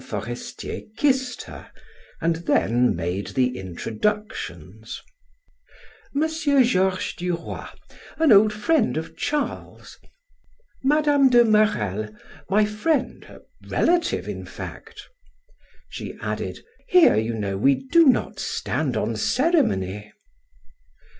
Forestier kissed her, and then made the introductions: "M. Georges Duroy, an old friend of Charles. Mme. de Marelle, my friend, a relative in fact." She added: "Here, you know, we do not stand on ceremony."